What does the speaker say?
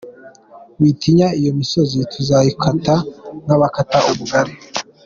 Witinya, iyo misozi tuzayikata nk’abakata ubugari.